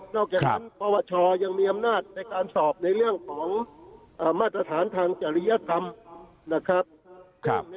จากนั้นปวชยังมีอำนาจในการสอบในเรื่องของมาตรฐานทางจริยธรรมนะครับ